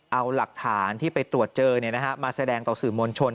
เอาหลักฐานที่ไปตรวจเจอมาแสดงต่อสื่อมวลชน